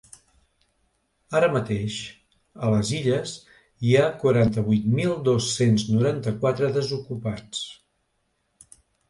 Ara mateix, a les Illes hi ha quaranta-vuit mil dos-cents noranta-quatre desocupats.